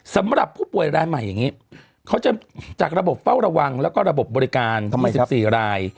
สำหรับผู้ป่วยรายใหม่อย่างนี้เขาจะจากระบบเฝ้าระวังแล้วก็ระบบบริการ๑๔ราย